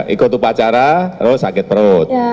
ikut upacara terus sakit perut